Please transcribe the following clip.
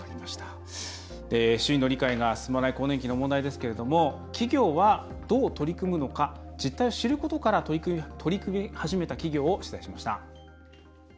周囲の理解が進まない更年期の問題ですけれども企業はどう取り組むのか実態を知ることから取り組み始めた企業を取材しました。